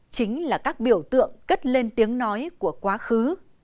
chính là các biểu tượng cất lên tiếng nói của quá khứ